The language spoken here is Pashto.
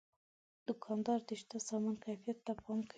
دوکاندار د شته سامان کیفیت ته پام کوي.